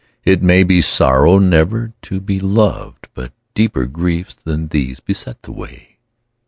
It may be sorrow never to be loved, But deeper griefs than these beset the way.